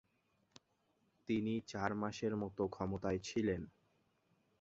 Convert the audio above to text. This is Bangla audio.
তিনি চার মাসের মত ক্ষমতায় ছিলেন।